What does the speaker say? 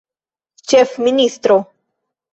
ĉefministro